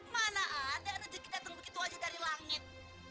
mana ada rezeki datang begitu saja dari langit